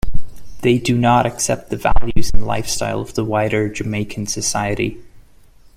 They do not accept the values and lifestyle of the wider Jamaican society.